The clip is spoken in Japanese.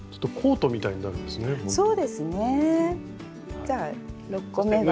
じゃあ６個目は。